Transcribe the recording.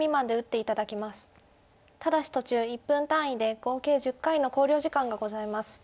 ただし途中１分単位で合計１０回の考慮時間がございます。